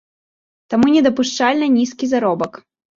Таму недапушчальна нізкі заробак.